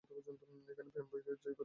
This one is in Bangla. এখানে প্রেম ভয়কে জয় করিয়াছে।